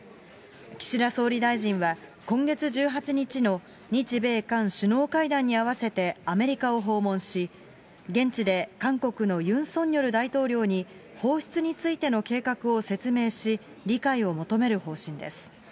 岸田総理大臣は、今月１８日の日米韓首脳会談に合わせてアメリカを訪問し、現地で韓国のユン・ソンニョル大統領に、放出についての計画を説明し、理解を求める方針です。